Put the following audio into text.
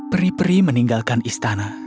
peri peri meninggalkan istana